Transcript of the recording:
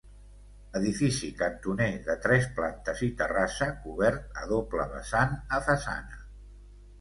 Edifici cantoner de tres plantes i terrassa cobert a doble vessant a façana.